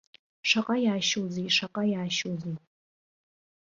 Шаҟа иаашьозеи, шаҟа иаашьозеи.